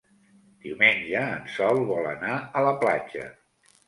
Diumenge en Sol vol anar a la platja.